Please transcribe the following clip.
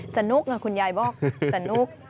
สนุกคุณยายบอกสนุก